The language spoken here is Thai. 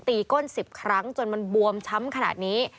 ก้น๑๐ครั้งจนมันบวมช้ำขนาดนี้